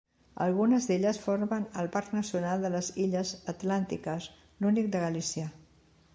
Algunes d'elles formen el Parc Nacional de les Illes Atlàntiques, l'únic de Galícia.